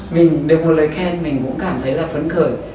mình được một lời khen mình cũng cảm thấy là phấn khởi